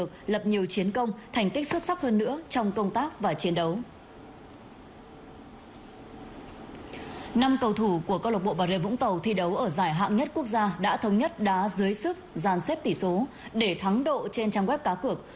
năm cầu thủ của câu lộc bộ bà rê vũng tàu thi đấu ở giải hạng nhất quốc gia đã thống nhất đá dưới sức giàn xếp tỷ số để thắng độ trên trang web cá cược